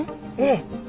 ええ。